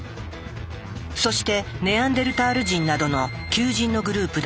そしてネアンデルタール人などの旧人のグループだ。